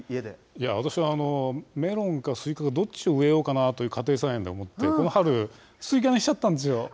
いや、私はメロンかすいかか、どっちを植えようかなと家庭菜園でもって、この春、すいかにしちゃったんですよ。